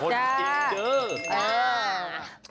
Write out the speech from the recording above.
จริงจิ้อ